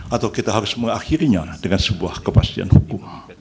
atau kita harus mengakhirinya dengan sebuah kepastian hukum